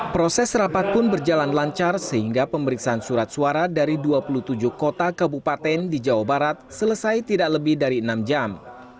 proses rapat pun berjalan lancar sehingga pemeriksaan surat suara dari dua puluh tujuh kota kabupaten di jawa barat selesai tidak lebih dari enam jam